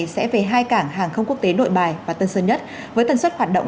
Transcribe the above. sẽ về hai cảng hàng không quốc tế nội bài và tân sơn nhất với tần suất hoạt động